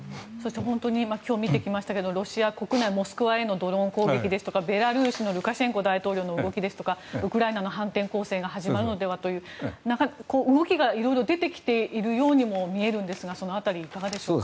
今日見てきましたがロシア国内モスクワへのドローン攻撃ですとかベラルーシのルカシェンコ大統領の動きですとかウクライナの反転攻勢が始まるのではという動きが色々出てきているようにも見えるんですがその辺り、いかがでしょうか。